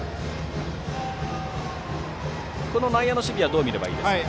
この内野の守備はどう見ればいいですか。